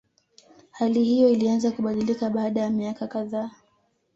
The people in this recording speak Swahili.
Hali hiyo ilianza kubadilika baada ya miaka kadhaa